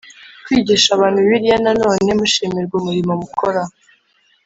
kwigisha abantu bibiliya na none mushimirwa umurimo mukora